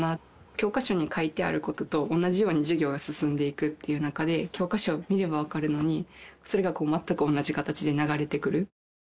教科書に書いてあることと同じように授業が進んでいくっていう中で、教科書、見れば分かるのに、それが全く同じ形で流れてくる。